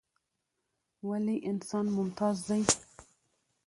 ولې انسان ممتاز دى؟